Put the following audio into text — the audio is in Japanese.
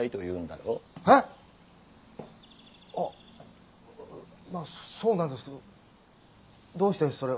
⁉あううまあそうなんですけどどうしてそれを？